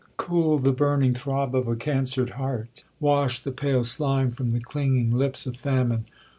—cool the burning throb of a cancered heart?—wash the pale slime from the clinging lips of famine?